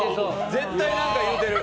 絶対何か言ってる！